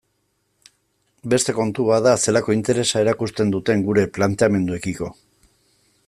Beste kontu bat da zelako interesa erakusten duten gure planteamenduekiko.